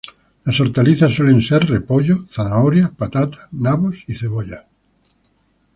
Las hortalizas suelen ser repollo, zanahorias, patatas, nabos y cebollas.